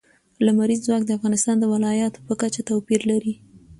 لمریز ځواک د افغانستان د ولایاتو په کچه توپیر لري.